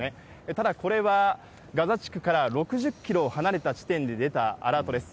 ただ、これはガザ地区から６０キロ離れた地点で出たアラートです。